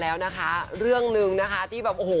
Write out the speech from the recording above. แล้วนะคะเรื่องหนึ่งนะคะที่แบบโอ้โห